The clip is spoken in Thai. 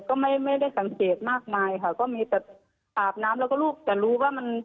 ก็ไม่ไม่ได้สังเกตมากมายค่ะก็มีแต่อาบน้ำแล้วก็ลูกแต่รู้ว่ามัน